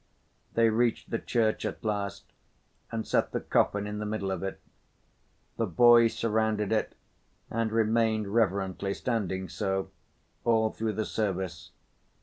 They reached the church at last and set the coffin in the middle of it. The boys surrounded it and remained reverently standing so, all through the service.